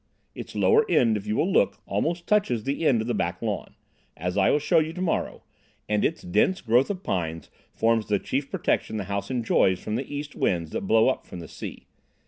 Its lower end, if you will look, almost touches the end of the back lawn, as I will show you tomorrow, and its dense growth of pines forms the chief protection the house enjoys from the east winds that blow up from the sea.